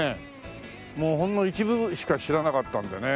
もうほんの一部分しか知らなかったんでね。